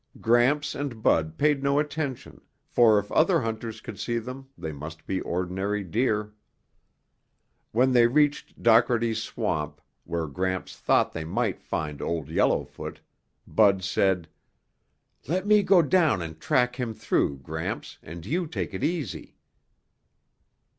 Gramps and Bud paid no attention, for if other hunters could see them, they must be ordinary deer. When they reached Dockerty's Swamp, where Gramps thought they might find Old Yellowfoot, Bud said, "Let me go down and track him through, Gramps, and you take it easy."